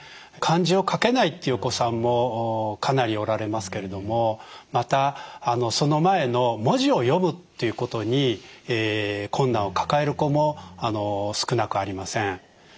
漢字を書けないっていうお子さんもかなりおられますけれどもまたその前の文字を読むっていうことに困難を抱える子も少なくありません。